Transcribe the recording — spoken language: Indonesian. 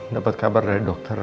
dapet kabar dari dokter